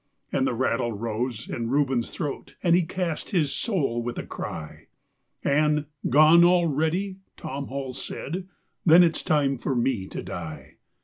And the rattle rose in Reuben's throat and he cast his soul with a cry, And "Gone already?" Tom Hall he said. "Then it's time for me to die."